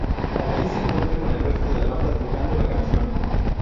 Allí, se encuentra con el resto de la banda tocando la canción.